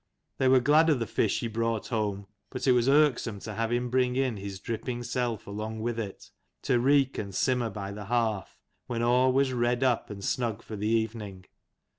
They were glad of the fish he brought home : but it was irksome to have him bring in his dripping self along with it, to reek and simmer by the hearth, when all was redd up and snug for the evening.